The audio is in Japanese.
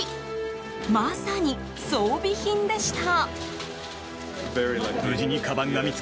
まさに装備品でした。